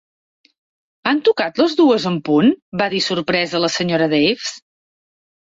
"Han tocat les dues en punt?", va dir sorpresa la senyora Dawes.